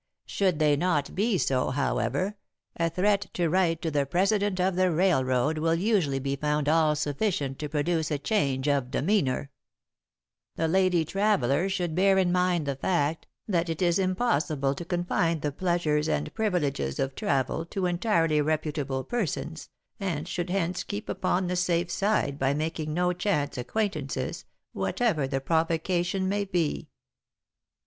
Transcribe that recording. Should they not be so, however, a threat to write to the President of the railroad will usually be found all sufficient to produce a change of demeanour. [Sidenote: Avoid Making Acquaintances] "'The lady traveller should bear in mind the fact that it is impossible to confine the pleasures and privileges of travel to entirely reputable persons, and should hence keep upon the safe side by making no chance acquaintances, whatever the provocation may be.